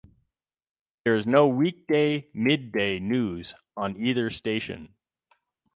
There is no weekday midday news on either station.